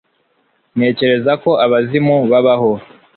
ntekereza ko abazimu babaho